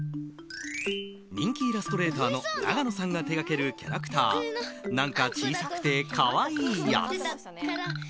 人気イラストレーターのナガノさんが手がけるキャラクター「なんか小さくてかわいいやつ」。